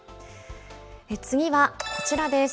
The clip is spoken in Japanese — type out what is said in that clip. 次はこちらです。